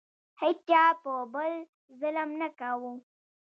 هیچا په بل ظلم نه کاوه.